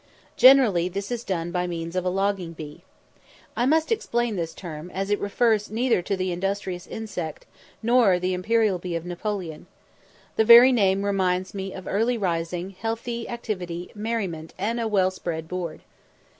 Generally this is done by means of a "logging bee." I must explain this term, as it refers neither to the industrious insect nor the imperial bee of Napoleon. The very name reminds me of early rising, healthy activity, merriment, and a well spread board.